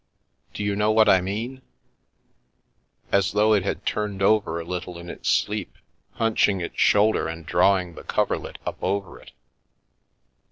" Do you know what I mean ? As though it had turned over a little in its sleep, hunching its shoulder Abroad and drawing the coverlet up over it.